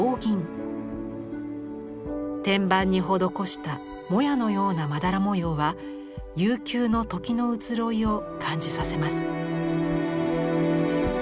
天板に施したもやのようなまだら模様は悠久の時の移ろいを感じさせます。